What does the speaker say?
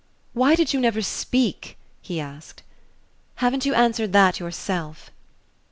"Why did you never speak?" he asked. "Haven't you answered that yourself?"